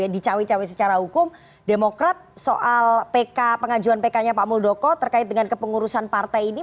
di cawe cawe secara hukum demokrat soal pengajuan pk nya pak muldoko terkait dengan kepengurusan partai ini